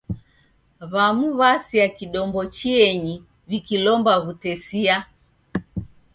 W'amu w'asea kidombo chienyi w'ikilomba w'utesia.